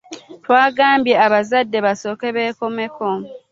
Twagambye abazadde basooke bekomeko.